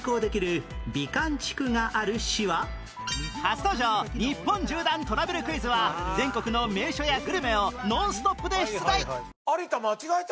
初登場日本縦断トラベルクイズは全国の名所やグルメをノンストップで出題！